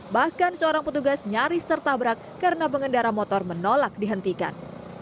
bahkan seorang petugas nyaris tertabrak karena pengendara motor menolak dihentikan